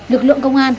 lực lượng công an